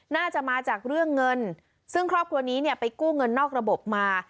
น่าจะมาจากเรื่องเงินซึ่งครอบครัวนี้เนี่ยไปกู้เงินนอกระบบมา